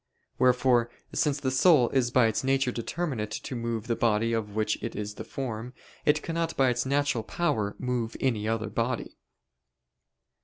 Wherefore, since the soul is by its nature determinate to move the body of which it is the form, it cannot by its natural power move any other body.